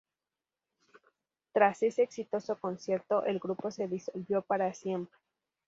Tras ese exitoso concierto, el grupo se disolvió para siempre.